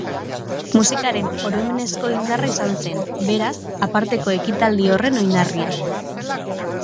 Musikaren oroimenezko indarra izan zen, beraz, aparteko ekitaldi horren oinarria.